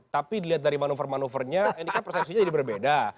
tapi dilihat dari manuver manuvernya ini kan persepsinya jadi berbeda